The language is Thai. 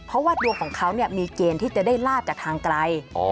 เพราะว่าดวงของเขามีเกณฑ์ที่จะได้ลาบจากทางไกล